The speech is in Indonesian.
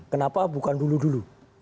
kenapa bukan dulu dulu